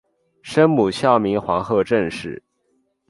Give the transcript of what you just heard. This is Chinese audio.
生母孝明皇后郑氏。